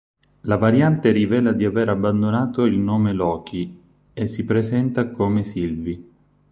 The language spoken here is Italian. La Variante rivela di aver abbandonato il nome Loki e si presenta come Sylvie.